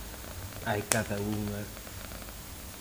¡Hai cada unha!